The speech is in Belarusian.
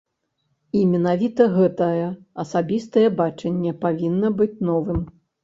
І менавіта гэтае асабістае бачанне павінна быць новым!